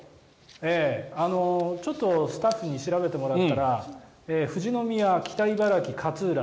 ちょっとスタッフに調べてもらったら富士宮、北茨城、勝浦